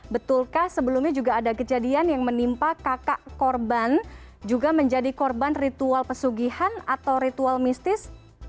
betulkah sebelumnya juga ada kejadian yang menimpa kakak korban juga menjadi korban ritual pesugihan atau ritual mistis